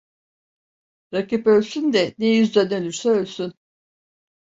Rakip ölsün de ne yüzden ölürse ölsün.